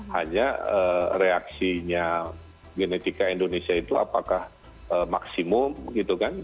hanya reaksinya genetika indonesia itu apakah maksimum gitu kan